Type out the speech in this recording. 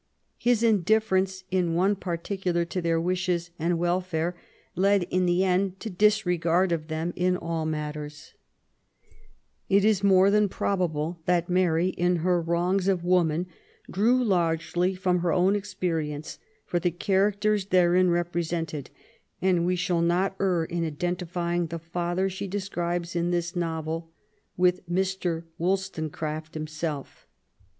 His CHILBHOOJ) AND EARLY YOUTH. 7 indifference in one particular to their wishes and welfare led in the end to disregard of them in all matters* It is more than probable that Mary, in her Wrongs of fVoman, drew largely from her own experience for the characters therein represented^ and we shall not err in identifying the father she describes in this novel with Mr. Wollstonecraft himself.